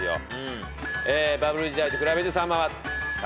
バブル時代と比べてさんまは。